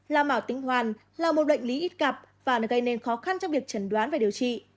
lao màu tinh hoàn là một lệnh lý ít cặp và gây nên khó khăn trong việc trận đoán và điều trị